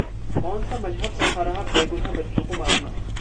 कौन सा मजहब सिखा रहा...बेगुनाह बच्चों को मारना?